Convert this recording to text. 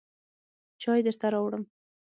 چای درته راوړم.